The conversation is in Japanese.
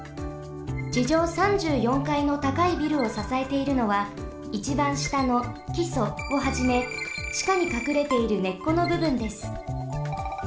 ちじょう３４かいのたかいビルをささえているのはいちばんしたのきそをはじめちかにかくれている根っこのぶぶんです。